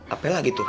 apel lagi tuh